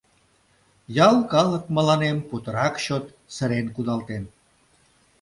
Ял калык мыланем путырак чот сырен кудалтен.